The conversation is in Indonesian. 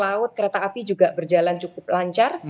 laut kereta api juga berjalan cukup lancar